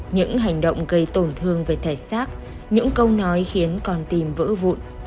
những hành động gây tổn thương về thể xác những câu nói khiến con tìm vỡ vụn